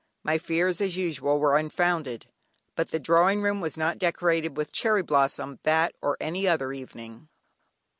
My fears as usual were unfounded, but the drawing room was not decorated with cherry blossom that or any other evening.